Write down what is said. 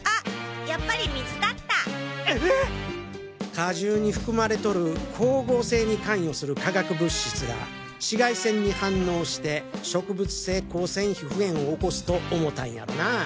果汁に含まれとる光合成に関与する化学物質が紫外線に反応して植物性光線皮膚炎を起こすと思たんやろうなァ。